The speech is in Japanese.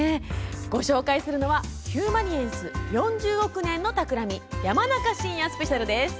ご紹介するのは「ヒューマニエンス４０億年のたくらみ山中伸弥スペシャル」です。